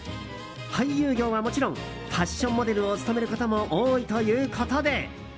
俳優業はもちろんファッションモデルを務めることも多いということで。